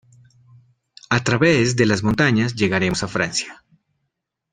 A través de las montañas llegaremos a Francia.